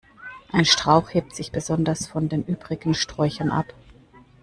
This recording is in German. Ein Strauch hebt sich besonders von den übrigen Sträuchern ab.